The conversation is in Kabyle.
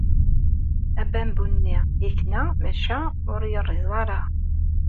Abambu-nni yekna maca ur yerriẓ ara.